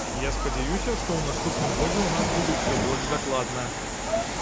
Я спадзяюся, што ў наступным годзе ў нас будзе ўсё больш дакладна.